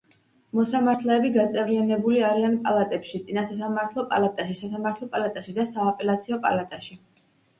მოსამართლეები გაწევრიანებული არიან პალატებში წინასასამართლო პალატაში, სასამართლო პალატაში და სააპელაციო პალატაში.